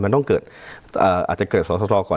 มันต้องเกิดอาจจะเกิดสอสทก่อน